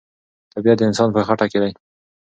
طبیعت د انسان په خټه کې دی.